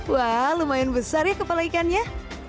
wah lumayan besar ya kepala ikannya